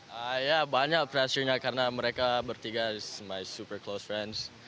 percaya caya karena mereka bertiga super close friends